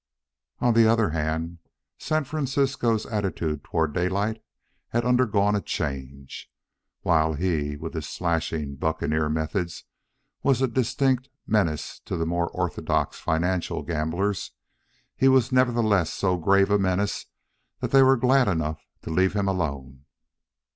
On the other hand, San Francisco's attitude toward Daylight had undergone a change. While he, with his slashing buccaneer methods, was a distinct menace to the more orthodox financial gamblers, he was nevertheless so grave a menace that they were glad enough to leave him alone.